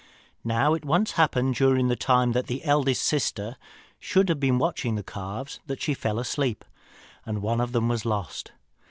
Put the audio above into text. Now it once happened, during the time that the eldest sister should have been watching the calves, that she fell asleep, and one of them was lost.